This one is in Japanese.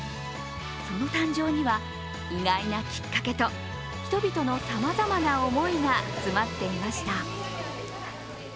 その誕生には、意外なきっかけと人々のさまざまな思いが詰まっていました。